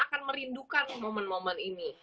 akan merindukan momen momen ini